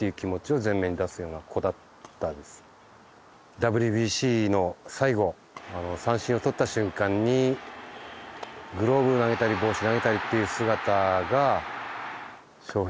ＷＢＣの最後あの三振を取った瞬間にグローブを投げたり帽子を投げたりっていう姿が。